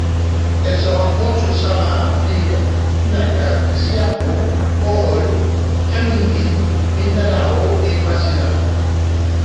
Elle se rencontre sur Samar, Leyte, Dinagat, Siargao, Bohol, Camiguin, Mindanao et Basilan.